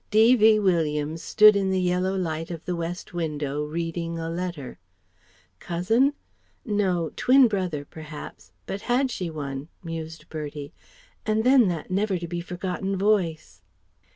D.V. Williams stood in the yellow light of the west window, reading a letter... "Cousin? No! Twin brother, perhaps; but had she one?..." mused Bertie... and then, that never to be forgotten voice